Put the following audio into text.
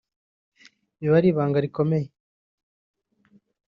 biba ari ibanga rikomeye